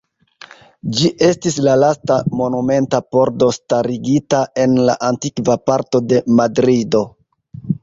Ĝi estis la lasta monumenta pordo starigita en la antikva parto de Madrido.